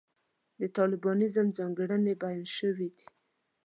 د طالبانیزم ځانګړنې بیان شوې دي.